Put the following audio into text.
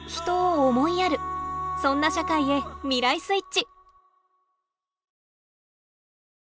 そんな社会へ「未来スイッチ」！